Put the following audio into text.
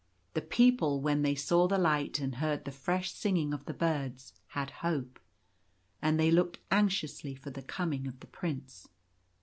The people, when they saw the light and heard the fresh singing of the birds, had hope ; and they looked anxiously for the coming of the Prince.